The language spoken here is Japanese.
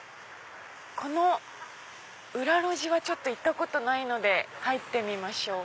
この裏路地は行ったことないので入ってみましょう。